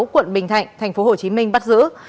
quận bình thạnh tp hcm bắt giữ